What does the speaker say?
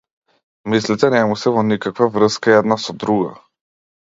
Мислите не му се во никаква врска една со друга.